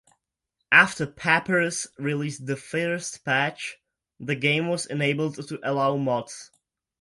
After Papyrus released the first patch, the game was enabled to allow mods.